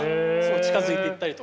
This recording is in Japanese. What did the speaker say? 近づいていったりとか。